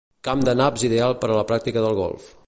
Camp de naps ideal per a la pràctica del golf.